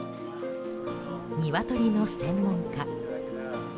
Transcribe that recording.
ニワトリの専門家。